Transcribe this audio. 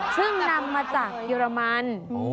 ซึ่งนำมาจากเยอรมัน